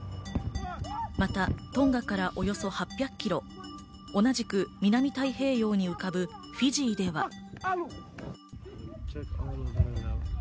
またトンガからおよそ８００キロ、同じく南太平洋に浮かぶフィジーでは。